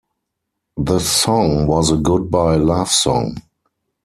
The song was a goodbye love song.